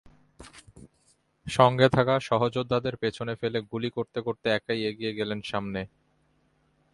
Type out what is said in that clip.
সঙ্গে থাকা সহযোদ্ধাদের পেছনে ফেলে গুলি করতে করতে একাই এগিয়ে গেলেন সামনে।